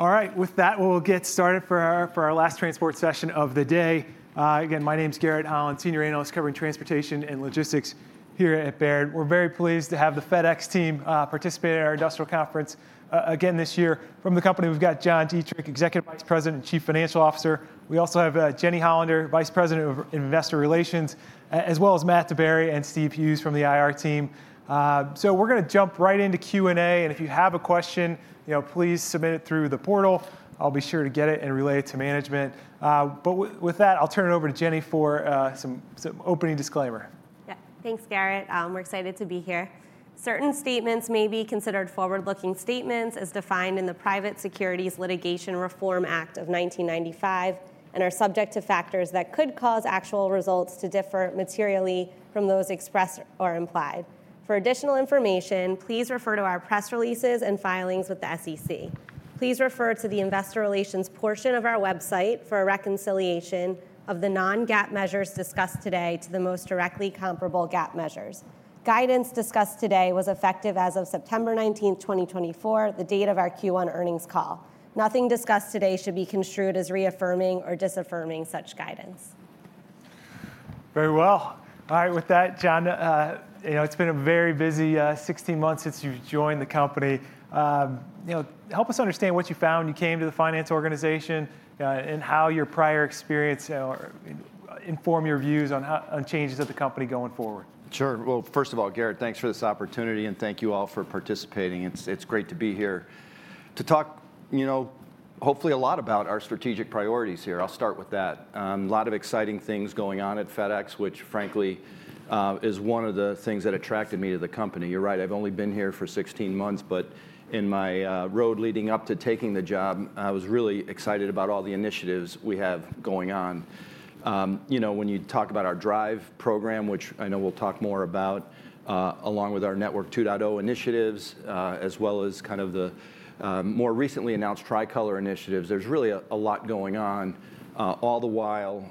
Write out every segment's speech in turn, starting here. All right, with that, we'll get started for our last transport session of the day. Again, my name's Garrett Holland, Senior Analyst covering transportation and logistics here at Baird. We're very pleased to have the FedEx team participate in our industrial conference again this year. From the company, we've got John Dietrich, Executive Vice President and Chief Financial Officer. We also have Jeni Hollander, Vice President of Investor Relations, as well as Matt DeBerry and Steve Hughes from the IR team. So we're going to jump right into Q&A, and if you have a question, please submit it through the portal. I'll be sure to get it and relay it to management. But with that, I'll turn it over to Jeni for some opening disclaimer. Thanks, Garrett. We're excited to be here. Certain statements may be considered forward-looking statements as defined in the Private Securities Litigation Reform Act of 1995 and are subject to factors that could cause actual results to differ materially from those expressed or implied. For additional information, please refer to our press releases and filings with the SEC. Please refer to the Investor Relations portion of our website for a reconciliation of the non-GAAP measures discussed today to the most directly comparable GAAP measures. Guidance discussed today was effective as of September 19, 2024, the date of our Q1 earnings call. Nothing discussed today should be construed as reaffirming or disaffirming such guidance. Very well. All right, with that, John, it's been a very busy 16 months since you joined the company. Help us understand what you found when you came to the finance organization and how your prior experience informed your views on changes at the company going forward. Sure. Well, first of all, Garrett, thanks for this opportunity, and thank you all for participating. It's great to be here to talk, hopefully, a lot about our strategic priorities here. I'll start with that. A lot of exciting things going on at FedEx, which, frankly, is one of the things that attracted me to the company. You're right, I've only been here for 16 months, but in my road leading up to taking the job, I was really excited about all the initiatives we have going on. When you talk about our DRIVE program, which I know we'll talk more about, along with our Network 2.0 initiatives, as well as kind of the more recently announced Tricolor initiatives, there's really a lot going on all the while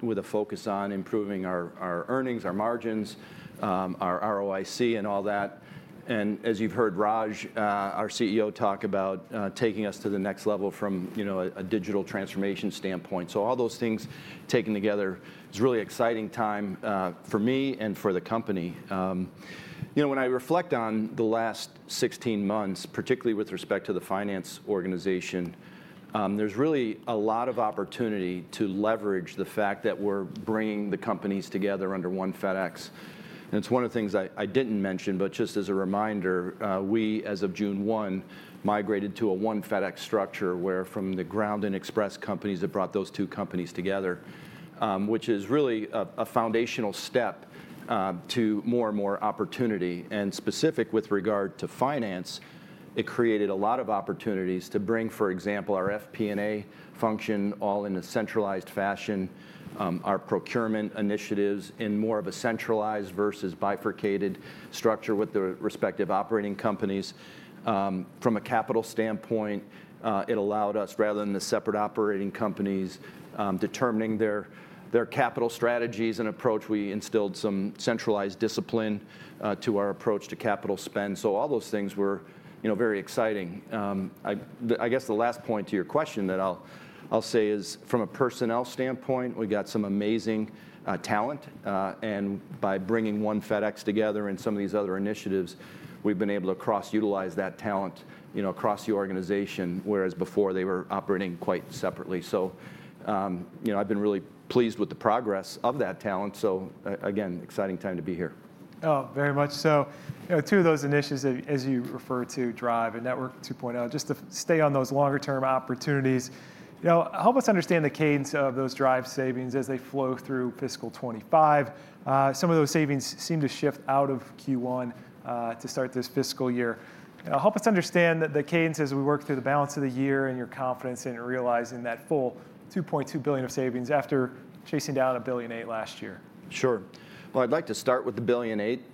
with a focus on improving our earnings, our margins, our ROIC, and all that. And as you've heard Raj, our CEO, talk about taking us to the next level from a digital transformation standpoint. So all those things taken together, it's a really exciting time for me and for the company. When I reflect on the last 16 months, particularly with respect to the finance organization, there's really a lot of opportunity to leverage the fact that we're bringing the companies together under One FedEx. And it's one of the things I didn't mention, but just as a reminder, we, as of June 1, migrated to a One FedEx structure where from the Ground and Express companies that brought those two companies together, which is really a foundational step to more and more opportunity. And specific with regard to finance, it created a lot of opportunities to bring, for example, our FP&A function all in a centralized fashion, our procurement initiatives in more of a centralized versus bifurcated structure with the respective operating companies. From a capital standpoint, it allowed us, rather than the separate operating companies determining their capital strategies and approach, we instilled some centralized discipline to our approach to capital spend. So all those things were very exciting. I guess the last point to your question that I'll say is, from a personnel standpoint, we've got some amazing talent. And by bringing One FedEx together and some of these other initiatives, we've been able to cross-utilize that talent across the organization, whereas before they were operating quite separately. So I've been really pleased with the progress of that talent. So again, exciting time to be here. Very much so. Two of those initiatives, as you referred to, DRIVE and Network 2.0, just to stay on those longer-term opportunities, help us understand the cadence of those DRIVE savings as they flow through fiscal 25? Some of those savings seem to shift out of Q1 to start this fiscal year. Help us understand the cadence as we work through the balance of the year and your confidence in realizing that full $2.2 billion of savings after chasing down $1.8 billion last year? Sure. Well, I'd like to start with the $1.8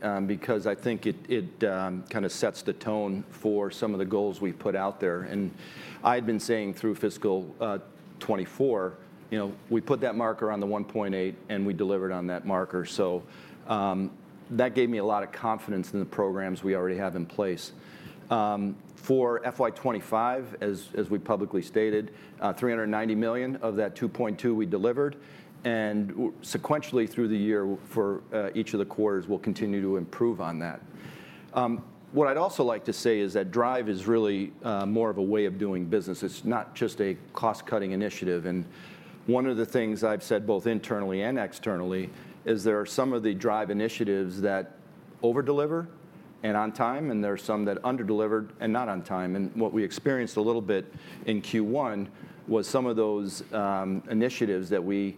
billion because I think it kind of sets the tone for some of the goals we've put out there. And I had been saying through fiscal 2024, we put that marker on the $1.8 billion, and we delivered on that marker. So that gave me a lot of confidence in the programs we already have in place. For FY 2025, as we publicly stated, $390 million of that $2.2 billion we delivered. And sequentially through the year for each of the quarters, we'll continue to improve on that. What I'd also like to say is that DRIVE is really more of a way of doing business. It's not just a cost-cutting initiative. One of the things I've said both internally and externally is there are some of the DRIVE initiatives that overdeliver and on time, and there are some that underdeliver and not on time. What we experienced a little bit in Q1 was some of those initiatives that we,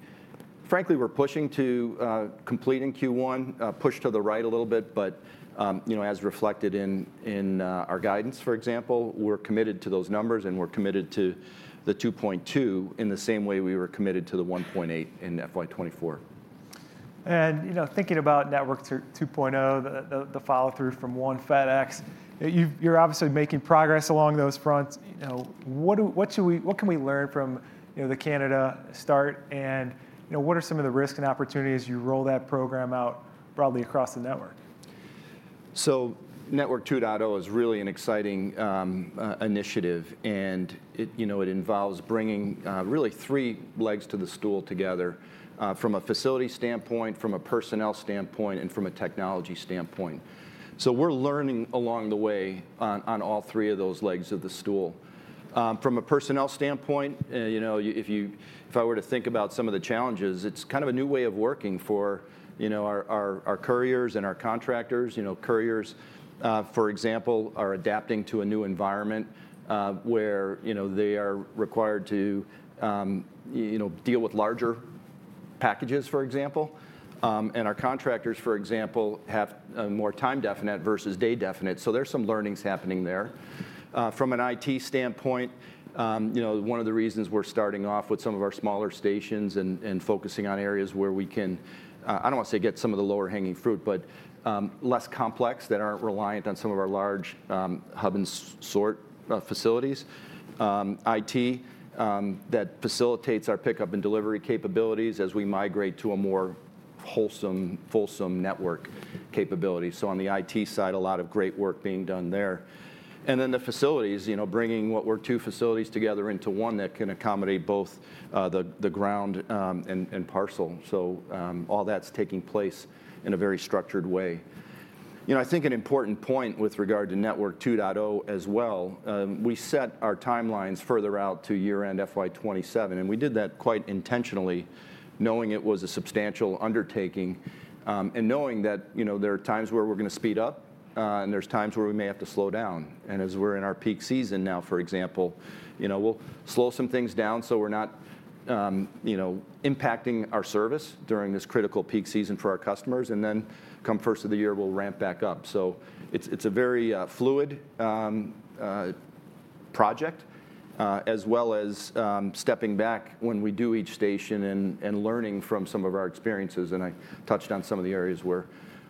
frankly, were pushing to complete in Q1, pushed to the right a little bit, but as reflected in our guidance, for example, we're committed to those numbers and we're committed to the $2.2 billion in the same way we were committed to the $1.8 billion in FY 2024. Thinking about Network 2.0, the follow-through from One FedEx, you're obviously making progress along those fronts. What can we learn from the Canada start, and what are some of the risks and opportunities as you roll that program out broadly across the network? Network 2.0 is really an exciting initiative, and it involves bringing really three legs to the stool together from a facility standpoint, from a personnel standpoint, and from a technology standpoint. We're learning along the way on all three of those legs of the stool. From a personnel standpoint, if I were to think about some of the challenges, it's kind of a new way of working for our couriers and our contractors. Couriers, for example, are adapting to a new environment where they are required to deal with larger packages, for example. Our contractors, for example, have more time definite versus day definite. There's some learnings happening there. From an IT standpoint, one of the reasons we're starting off with some of our smaller stations and focusing on areas where we can, I don't want to say get some of the lower-hanging fruit, but less complex that aren't reliant on some of our large hub-and-sort facilities. IT that facilitates our pickup and delivery capabilities as we migrate to a more wholesome, fulsome network capability, so on the IT side, a lot of great work being done there, and then the facilities, bringing what were two facilities together into one that can accommodate both the Ground and parcel, so all that's taking place in a very structured way. I think an important point with regard to Network 2.0 as well. We set our timelines further out to year-end FY 2027. And we did that quite intentionally, knowing it was a substantial undertaking and knowing that there are times where we're going to speed up, and there's times where we may have to slow down. And as we're in our peak season now, for example, we'll slow some things down so we're not impacting our service during this critical peak season for our customers. And then come first of the year, we'll ramp back up. So it's a very fluid project, as well as stepping back when we do each station and learning from some of our experiences. And I touched on some of the areas where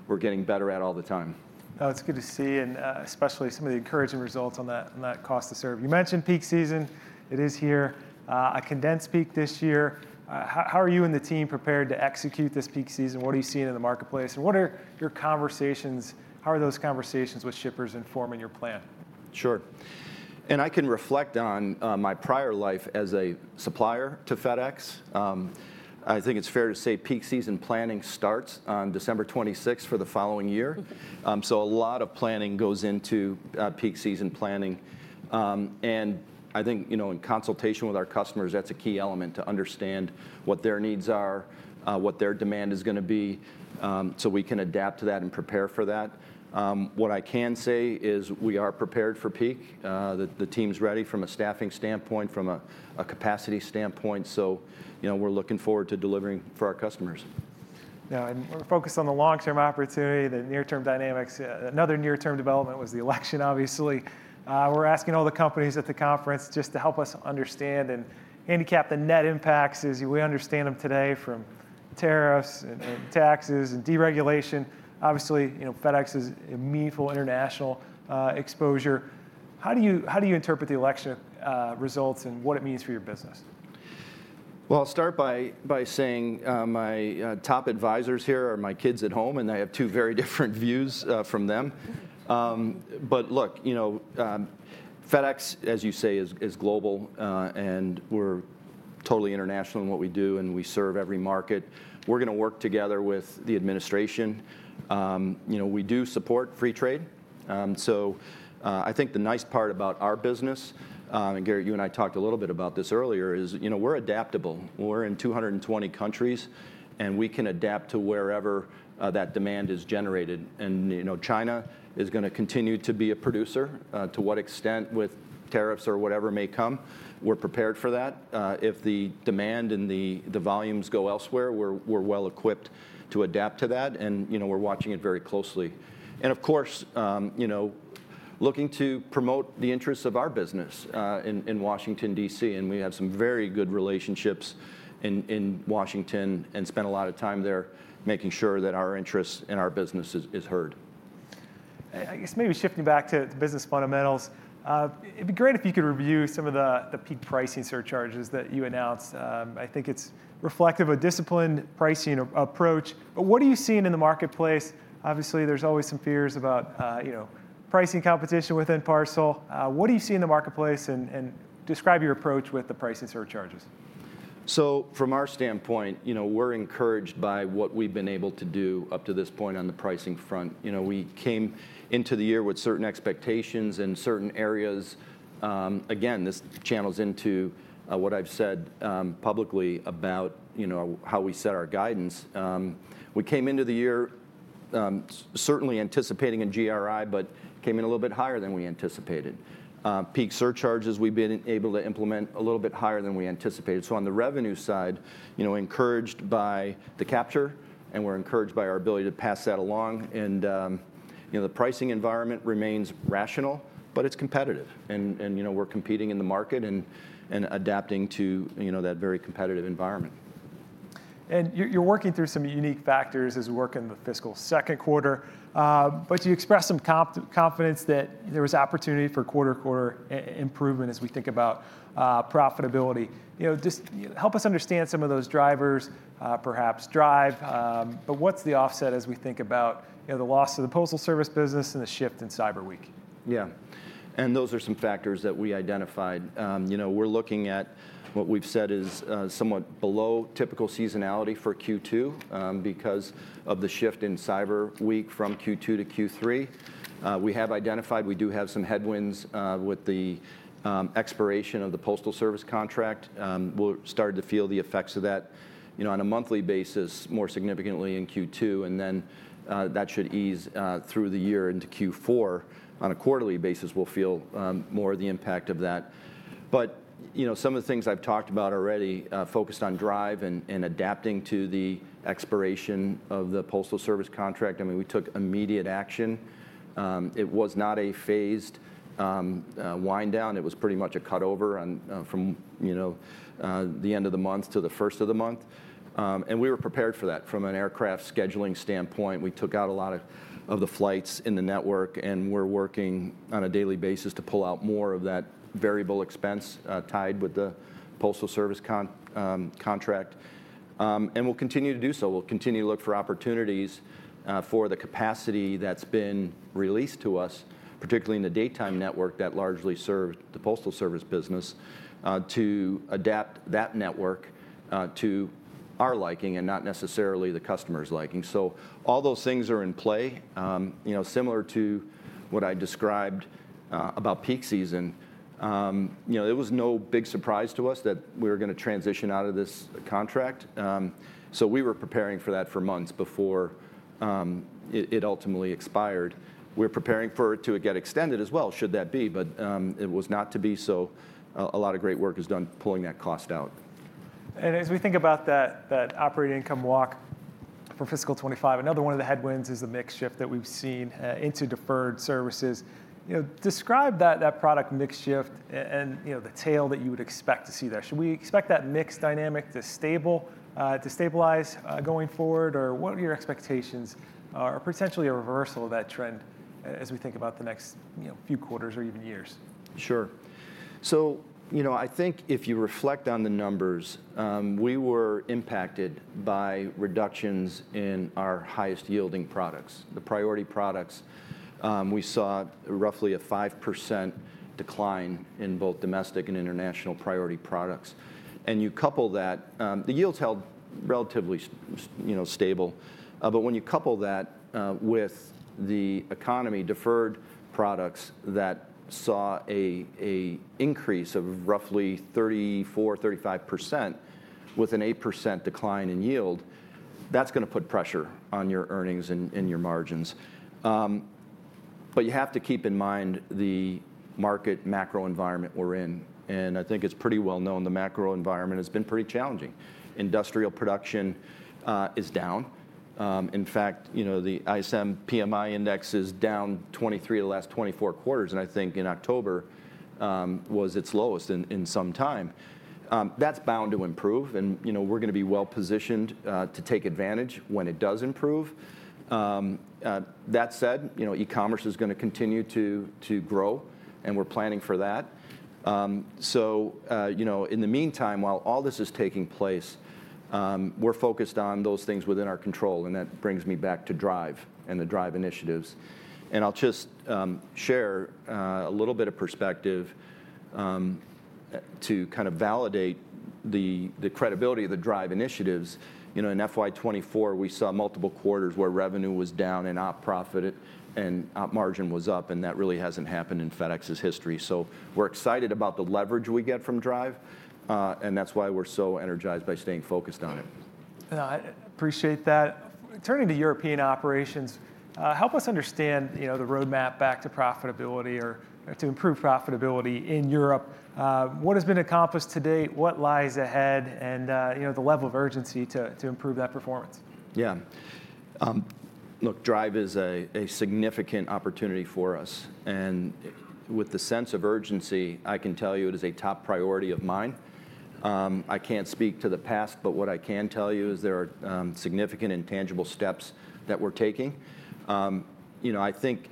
we're getting better at all the time. It's good to see, and especially some of the encouraging results on that cost to serve. You mentioned peak season. It is here. A condensed peak this year. How are you and the team prepared to execute this peak season? What are you seeing in the marketplace? And what are your conversations? How are those conversations with shippers informing your plan? Sure. And I can reflect on my prior life as a supplier to FedEx. I think it's fair to say peak season planning starts on December 26 for the following year. So a lot of planning goes into peak season planning. And I think in consultation with our customers, that's a key element to understand what their needs are, what their demand is going to be, so we can adapt to that and prepare for that. What I can say is we are prepared for peak. The team's ready from a staffing standpoint, from a capacity standpoint. So we're looking forward to delivering for our customers. Now, we're focused on the long-term opportunity, the near-term dynamics. Another near-term development was the election, obviously. We're asking all the companies at the conference just to help us understand and handicap the net impacts as we understand them today from tariffs and taxes and deregulation. Obviously, FedEx is a meaningful international exposure. How do you interpret the election results and what it means for your business? I'll start by saying my top advisors here are my kids at home, and I have two very different views from them. Look, FedEx, as you say, is global, and we're totally international in what we do, and we serve every market. We're going to work together with the administration. We do support free trade. I think the nice part about our business, and Garrett, you and I talked a little bit about this earlier, is we're adaptable. We're in 220 countries, and we can adapt to wherever that demand is generated. China is going to continue to be a producer to what extent with tariffs or whatever may come. We're prepared for that. If the demand and the volumes go elsewhere, we're well equipped to adapt to that, and we're watching it very closely. And of course, looking to promote the interests of our business in Washington, D.C., and we have some very good relationships in Washington and spent a lot of time there making sure that our interests and our business is heard. I guess maybe shifting back to business fundamentals, it'd be great if you could review some of the peak pricing surcharges that you announced. I think it's reflective of a disciplined pricing approach, but what are you seeing in the marketplace? Obviously, there's always some fears about pricing competition within parcel. What do you see in the marketplace, and describe your approach with the pricing surcharges. So from our standpoint, we're encouraged by what we've been able to do up to this point on the pricing front. We came into the year with certain expectations in certain areas. Again, this channels into what I've said publicly about how we set our guidance. We came into the year certainly anticipating a GRI, but came in a little bit higher than we anticipated. Peak surcharges, we've been able to implement a little bit higher than we anticipated. So on the revenue side, encouraged by the capture, and we're encouraged by our ability to pass that along. And the pricing environment remains rational, but it's competitive. And we're competing in the market and adapting to that very competitive environment. You're working through some unique factors as we work in the fiscal second quarter. You expressed some confidence that there was opportunity for quarter-to-quarter improvement as we think about profitability. Just help us understand some of those drivers, perhaps DRIVE. What's the offset as we think about the loss of the Postal Service business and the shift in Cyber Week? Yeah, and those are some factors that we identified. We're looking at what we've said is somewhat below typical seasonality for Q2 because of the shift in Cyber Week from Q2 to Q3. We have identified we do have some headwinds with the expiration of the U.S. Postal Service contract. We'll start to feel the effects of that on a monthly basis more significantly in Q2, and then that should ease through the year into Q4. On a quarterly basis, we'll feel more of the impact of that, but some of the things I've talked about already focused on DRIVE and adapting to the expiration of the U.S. Postal Service contract. I mean, we took immediate action. It was not a phased wind down. It was pretty much a cut over from the end of the month to the first of the month, and we were prepared for that. From an aircraft scheduling standpoint, we took out a lot of the flights in the network, and we're working on a daily basis to pull out more of that variable expense tied with the Postal Service contract. And we'll continue to do so. We'll continue to look for opportunities for the capacity that's been released to us, particularly in the daytime network that largely serves the Postal Service business, to adapt that network to our liking and not necessarily the customer's liking. So all those things are in play. Similar to what I described about peak season, it was no big surprise to us that we were going to transition out of this contract. So we were preparing for that for months before it ultimately expired. We're preparing for it to get extended as well, should that be. But it was not to be so. A lot of great work is done pulling that cost out. As we think about that operating income walk for fiscal 2025, another one of the headwinds is the mix shift that we've seen into deferred services. Describe that product mix shift and the tail that you would expect to see there. Should we expect that mix dynamic to stabilize going forward, or what are your expectations or potentially a reversal of that trend as we think about the next few quarters or even years? Sure. So I think if you reflect on the numbers, we were impacted by reductions in our highest yielding products, the priority products. We saw roughly a 5% decline in both domestic and international priority products. And you couple that, the yields held relatively stable. But when you couple that with the economy deferred products that saw an increase of roughly 34%, 35%, with an 8% decline in yield, that's going to put pressure on your earnings and your margins. But you have to keep in mind the market macro environment we're in. And I think it's pretty well known the macro environment has been pretty challenging. Industrial production is down. In fact, the ISM PMI index is down 23 of the last 24 quarters. And I think in October was its lowest in some time. That's bound to improve. And we're going to be well positioned to take advantage when it does improve. That said, e-commerce is going to continue to grow, and we're planning for that. So in the meantime, while all this is taking place, we're focused on those things within our control. And that brings me back to DRIVE and the DRIVE initiatives. And I'll just share a little bit of perspective to kind of validate the credibility of the DRIVE initiatives. In FY 2024, we saw multiple quarters where revenue was down and op profit and op margin was up. And that really hasn't happened in FedEx's history. So we're excited about the leverage we get from DRIVE. And that's why we're so energized by staying focused on it. I appreciate that. Turning to European operations, help us understand the roadmap back to profitability or to improve profitability in Europe. What has been accomplished to date? What lies ahead and the level of urgency to improve that performance? Yeah. Look, DRIVE is a significant opportunity for us, and with the sense of urgency, I can tell you it is a top priority of mine. I can't speak to the past, but what I can tell you is there are significant and tangible steps that we're taking. I think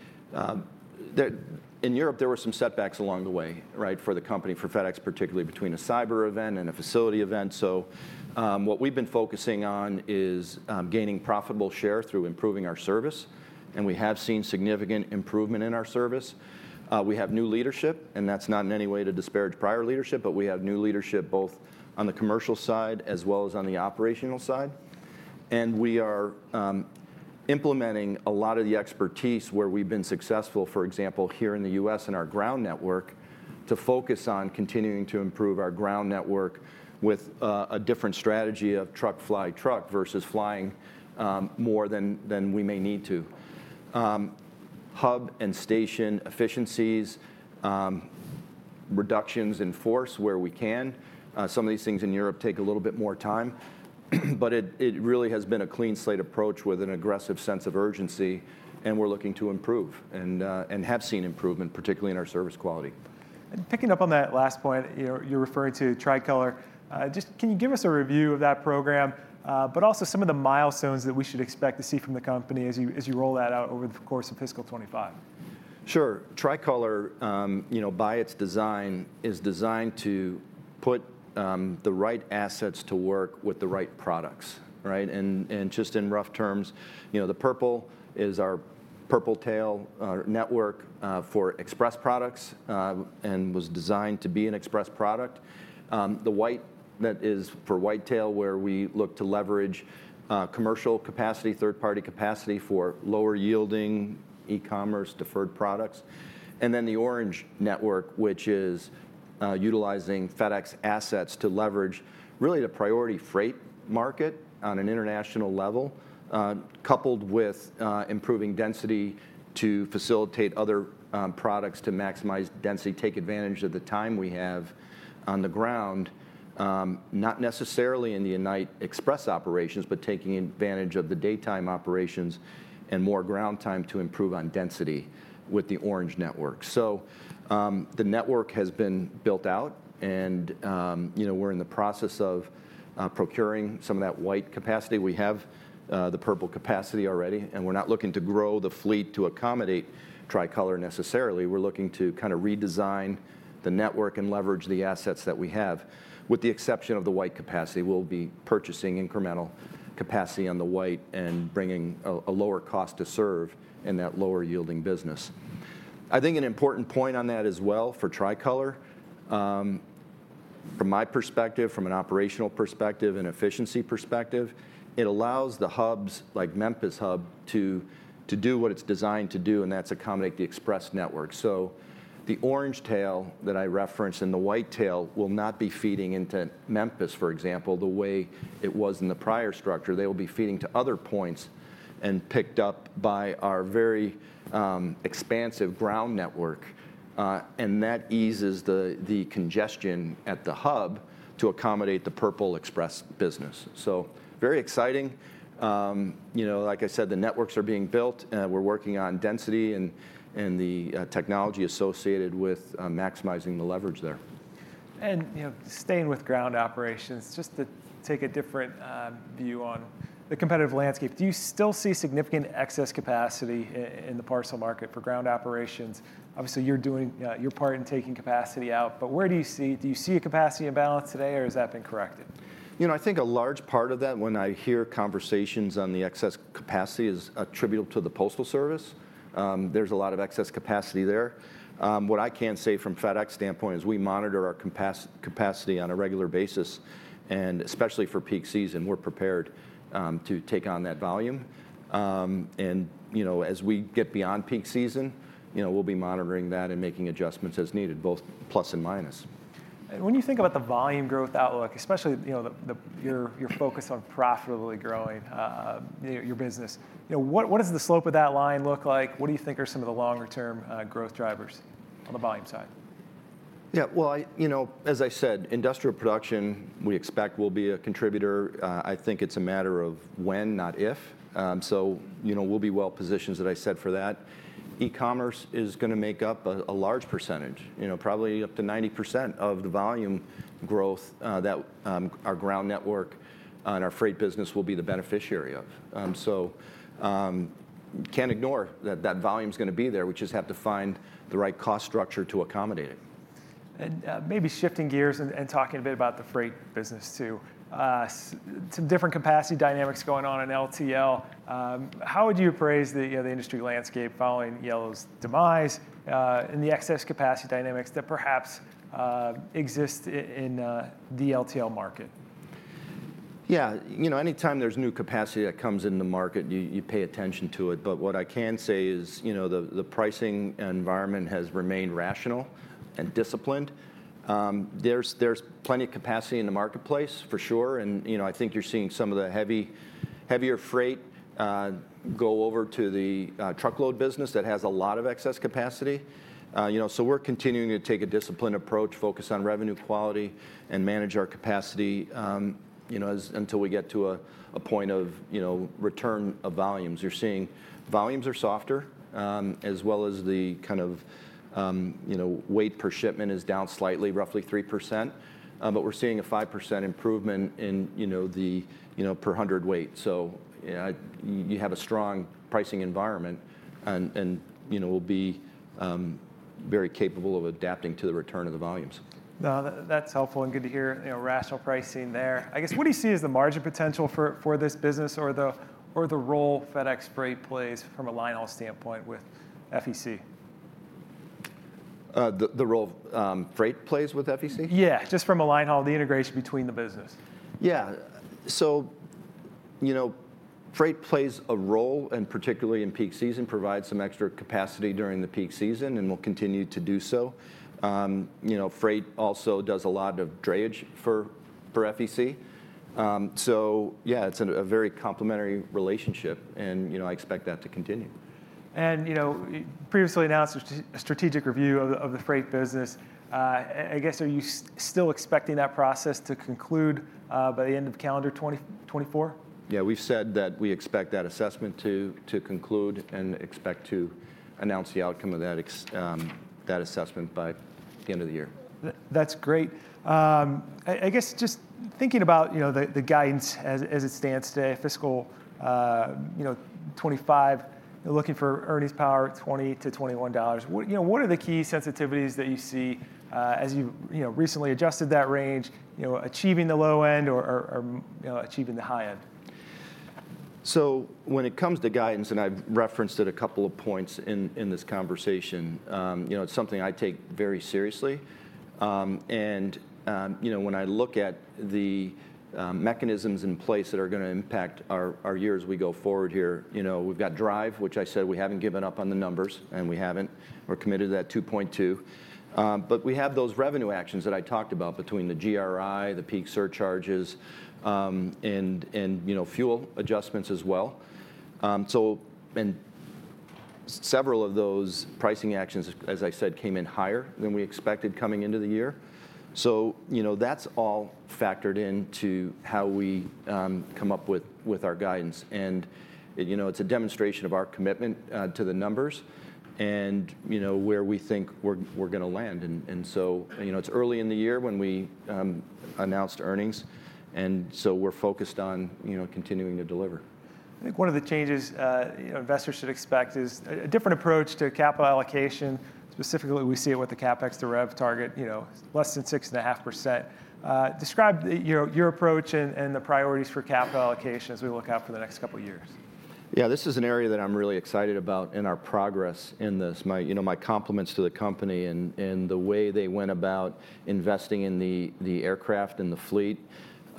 in Europe, there were some setbacks along the way for the company, for FedEx particularly, between a cyber event and a facility event, so what we've been focusing on is gaining profitable share through improving our service, and we have seen significant improvement in our service. We have new leadership, and that's not in any way to disparage prior leadership, but we have new leadership both on the commercial side as well as on the operational side. We are implementing a lot of the expertise where we've been successful, for example, here in the U.S. in our Ground network, to focus on continuing to improve our Ground network with a different strategy of truck-fly-truck versus flying more than we may need to. Hub and station efficiencies, reductions in force where we can. Some of these things in Europe take a little bit more time. It really has been a clean slate approach with an aggressive sense of urgency. We're looking to improve and have seen improvement, particularly in our service quality. Picking up on that last point, you're referring to Tricolor. Just can you give us a review of that program, but also some of the milestones that we should expect to see from the company as you roll that out over the course of fiscal 2025? Sure. Tricolor, by its design, is designed to put the right assets to work with the right products. And just in rough terms, the Purple is our Purple Tail network for express products and was designed to be an express product. The White that is for White Tail where we look to leverage commercial capacity, third-party capacity for lower yielding e-commerce deferred products. And then the Orange Network, which is utilizing FedEx assets to leverage really the priority Freight market on an international level, coupled with improving density to facilitate other products to maximize density, take advantage of the time we have on the ground, not necessarily in the night express operations, but taking advantage of the daytime operations and more ground time to improve on density with the Orange Network. So the network has been built out. And we're in the process of procuring some of that White capacity. We have the Purple capacity already, and we're not looking to grow the fleet to accommodate Tricolor necessarily. We're looking to kind of redesign the network and leverage the assets that we have. With the exception of the White capacity, we'll be purchasing incremental capacity on the White and bringing a lower cost to serve in that lower yielding business. I think an important point on that as well for Tricolor, from my perspective, from an operational perspective and efficiency perspective, it allows the hubs like Memphis hub to do what it's designed to do, and that's accommodate the Express network, so the Orange tail that I referenced and the White tail will not be feeding into Memphis, for example, the way it was in the prior structure. They will be feeding to other points and picked up by our very expansive Ground network. That eases the congestion at the hub to accommodate the Purple Express business. Very exciting. Like I said, the networks are being built. We're working on density and the technology associated with maximizing the leverage there. Staying with ground operations, just to take a different view on the competitive landscape, do you still see significant excess capacity in the parcel market for ground operations? Obviously, you're doing your part in taking capacity out. But where do you see a capacity imbalance today, or has that been corrected? I think a large part of that, when I hear conversations on the excess capacity, is attributable to the Postal Service. There's a lot of excess capacity there. What I can say from FedEx standpoint is we monitor our capacity on a regular basis. And especially for peak season, we're prepared to take on that volume. And as we get beyond peak season, we'll be monitoring that and making adjustments as needed, both plus and minus. When you think about the volume growth outlook, especially your focus on profitably growing your business, what does the slope of that line look like? What do you think are some of the longer-term growth drivers on the volume side? Yeah. As I said, industrial production we expect will be a contributor. I think it's a matter of when, not if. So we'll be well positioned, as I said, for that. E-commerce is going to make up a large percentage, probably up to 90% of the volume growth that our Ground network and our Freight business will be the beneficiary of. So can't ignore that that volume is going to be there. We just have to find the right cost structure to accommodate it. Maybe shifting gears and talking a bit about the fr`eight business too, some different capacity dynamics going on in LTL. How would you appraise the industry landscape following Yellow's demise and the excess capacity dynamics that perhaps exist in the LTL market? Yeah. Anytime there's new capacity that comes into the market, you pay attention to it. But what I can say is the pricing environment has remained rational and disciplined. There's plenty of capacity in the marketplace, for sure. And I think you're seeing some of the heavier freight go over to the truckload business that has a lot of excess capacity. So we're continuing to take a disciplined approach, focus on revenue quality, and manage our capacity until we get to a point of return of volumes. You're seeing volumes are softer, as well as the kind of weight per shipment is down slightly, roughly 3%. But we're seeing a 5% improvement in the per hundredweight. So you have a strong pricing environment and will be very capable of adapting to the return of the volumes. That's helpful and good to hear rational pricing there. I guess, what do you see as the margin potential for this business or the role FedEx Freight plays from a linehaul standpoint with FEC? The role Freight plays with FEC? Yeah, just from a linehaul, the integration between the business. Yeah, so Freight plays a role, and particularly in peak season, provides some extra capacity during the peak season and will continue to do so. Freight also does a lot of drayage for FEC, so yeah, it's a very complementary relationship, and I expect that to continue. Previously announced a strategic review of the Freight business. I guess, are you still expecting that process to conclude by the end of calendar 2024? Yeah. We've said that we expect that assessment to conclude and expect to announce the outcome of that assessment by the end of the year. That's great. I guess, just thinking about the guidance as it stands today, fiscal 2025, you're looking for earnings power $20-$21. What are the key sensitivities that you see as you've recently adjusted that range, achieving the low end or achieving the high end? So when it comes to guidance, and I've referenced it a couple of points in this conversation, it's something I take very seriously. And when I look at the mechanisms in place that are going to impact our years as we go forward here, we've got DRIVE, which I said we haven't given up on the numbers, and we haven't. We're committed to that 2.2. But we have those revenue actions that I talked about between the GRI, the peak surcharges, and fuel adjustments as well. And several of those pricing actions, as I said, came in higher than we expected coming into the year. So that's all factored into how we come up with our guidance. And it's early in the year when we announced earnings. And so we're focused on continuing to deliver. I think one of the changes investors should expect is a different approach to capital allocation. Specifically, we see it with the CapEx to Rev target, less than 6.5%. Describe your approach and the priorities for capital allocation as we look out for the next couple of years. Yeah. This is an area that I'm really excited about in our progress in this. My compliments to the company and the way they went about investing in the aircraft and the fleet.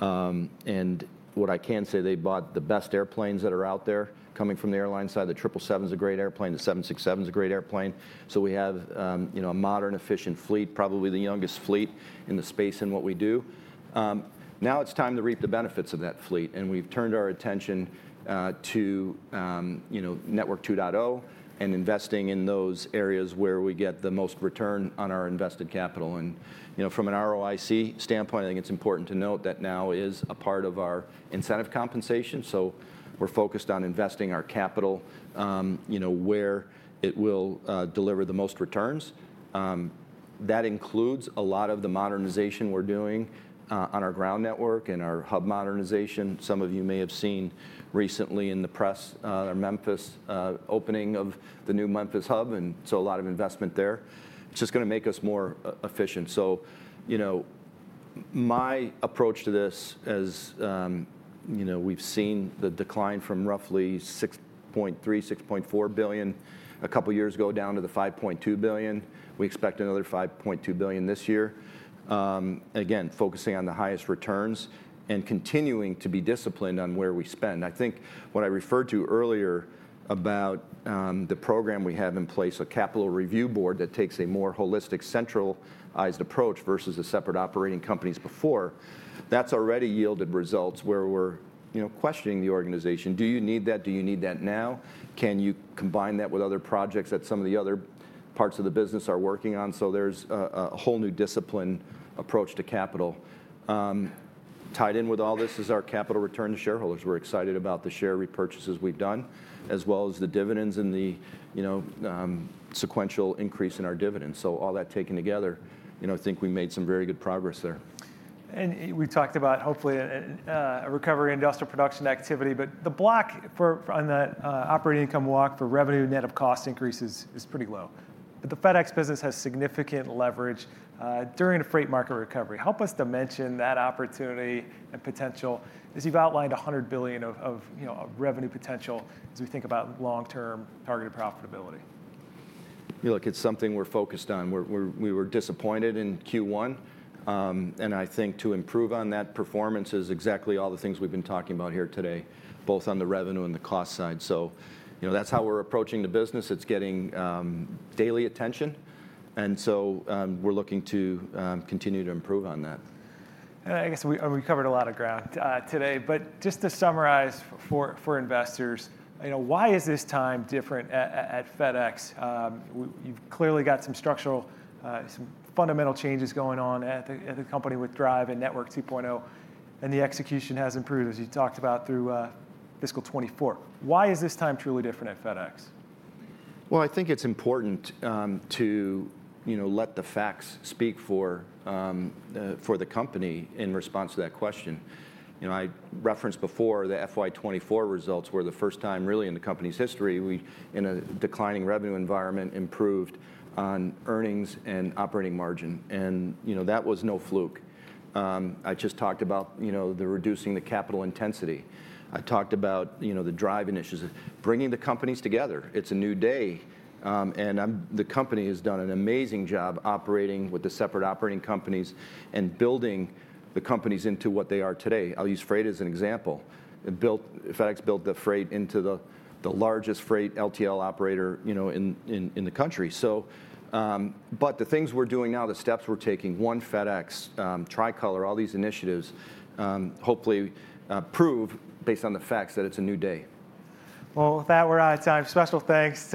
And what I can say, they bought the best airplanes that are out there coming from the airline side. The 777 is a great airplane. The 767 is a great airplane. So we have a modern, efficient fleet, probably the youngest fleet in the space in what we do. Now it's time to reap the benefits of that fleet. And we've turned our attention to Network 2.0 and investing in those areas where we get the most return on our invested capital. And from an ROIC standpoint, I think it's important to note that now is a part of our incentive compensation. So we're focused on investing our capital where it will deliver the most returns. That includes a lot of the modernization we're doing on our Ground network and our hub modernization. Some of you may have seen recently in the press our Memphis opening of the new Memphis hub. And so a lot of investment there. It's just going to make us more efficient. So my approach to this as we've seen the decline from roughly $6.3 billion-$6.4 billion a couple of years ago down to the $5.2 billion. We expect another $5.2 billion this year. Again, focusing on the highest returns and continuing to be disciplined on where we spend. I think what I referred to earlier about the program we have in place, a capital review board that takes a more holistic centralized approach versus the separate operating companies before, that's already yielded results where we're questioning the organization. Do you need that? Do you need that now? Can you combine that with other projects that some of the other parts of the business are working on? So there's a whole new discipline approach to capital. Tied in with all this is our capital return to shareholders. We're excited about the share repurchases we've done, as well as the dividends and the sequential increase in our dividends. So all that taken together, I think we made some very good progress there. We talked about hopefully a recovery in industrial production activity. The block on the operating income walk for revenue net of cost increase is pretty low. The FedEx business has significant leverage during the Freight market recovery. Help us dimension that opportunity and potential as you've outlined $100 billion of revenue potential as we think about long-term targeted profitability. Look, it's something we're focused on. We were disappointed in Q1. And I think to improve on that performance is exactly all the things we've been talking about here today, both on the revenue and the cost side. So that's how we're approaching the business. It's getting daily attention. And so we're looking to continue to improve on that. I guess we covered a lot of ground today. But just to summarize for investors, why is this time different at FedEx? You've clearly got some structural, some fundamental changes going on at the company with DRIVE and Network 2.0, and the execution has improved, as you talked about through fiscal 2024. Why is this time truly different at FedEx? I think it's important to let the facts speak for the company in response to that question. I referenced before the FY 2024 results were the first time really in the company's history we, in a declining revenue environment, improved on earnings and operating margin. That was no fluke. I just talked about the reducing the capital intensity. I talked about the DRIVE initiative, bringing the companies together. It's a new day. The company has done an amazing job operating with the separate operating companies and building the companies into what they are today. I'll use Freight as an example. FedEx built the Freight into the largest Freight LTL operator in the country. The things we're doing now, the steps we're taking, One FedEx, Tricolor, all these initiatives, hopefully prove based on the facts that it's a new day. With that, we're out of time. Special thanks.